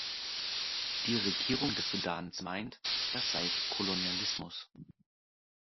Die Regierung des Sudans meint, das sei Kolonialismus.